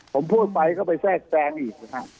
ผมพูดไปเข้าไปแทรกแกรงอีก